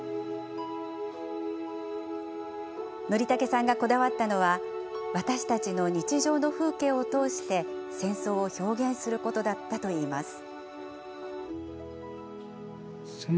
Ｎｏｒｉｔａｋｅさんがこだわったのは私たちの日常の風景を通して戦争を表現することだったといいます。